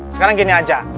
sekarang gini aja